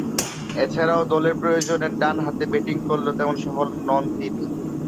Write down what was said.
এছাড়াও দলের প্রয়োজনে ডানহাতে ব্যাটিং করলেও তেমন সফল নন তিনি।